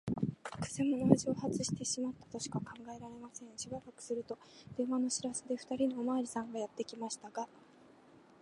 くせ者は蒸発してしまったとしか考えられません。しばらくすると、電話の知らせで、ふたりのおまわりさんがやってきましたが、